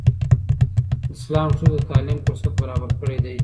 اسلام ښځو ته د تعلیم فرصت برابر کړی دی.